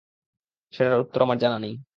সেটার উত্তর আমার জানা নেই।